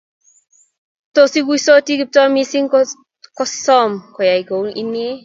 tos ikuisoti Kiptoo mising kot kisom koyai kou niee